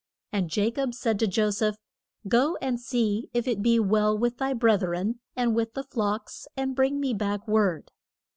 And Ja cob said to Jo seph, Go and see if it be well with thy breth ren, and with the flocks, and bring me back word.